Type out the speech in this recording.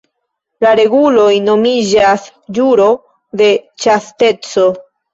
La reguloj nomiĝas "ĵuro de ĉasteco".